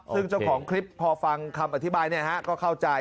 ซึ่งเจ้าของคลิปพอฟังคำอธิบายก็เข้าใจ